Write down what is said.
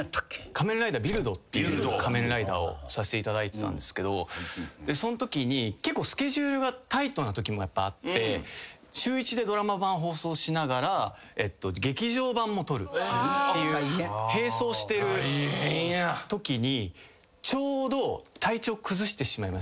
仮面ライダービルドっていう仮面ライダーをさせていただいてたんですけどそのときに結構スケジュールがタイトなときもやっぱあって週１でドラマ版放送しながら劇場版も撮るっていう並走してるときに。